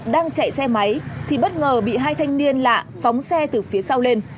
đang chạy xe máy thì bất ngờ bị hai thanh niên lạ phóng xe từ phía sau lên